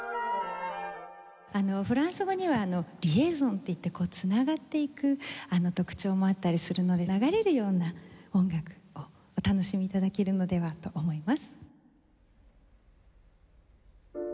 フランス語にはリエゾンっていって繋がっていく特徴もあったりするので流れるような音楽をお楽しみ頂けるのではと思います。